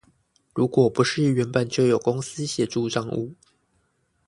如果不是原本就有公司協助帳務